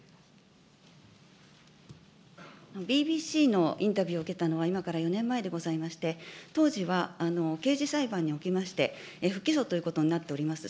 ＢＢＣのインタビューを受けたのは今から４年前でございまして、当時は刑事裁判におきまして、不起訴ということになっております。